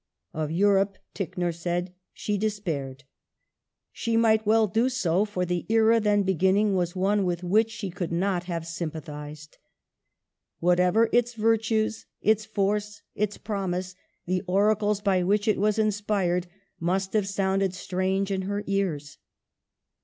Of Europe, Ticknor said, "she despaired." She might well do so, for the era then beginning was one with which she could not have sympathised. Whatever its virtues, its force, its promise, the oracles by which it was inspired must have sounded strange in her ears.